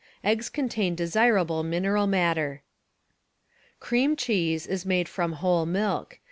Eggs contain desirable mineral matter. Cream Cheese is made from whole milk.